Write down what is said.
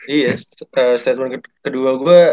iya statement kedua gue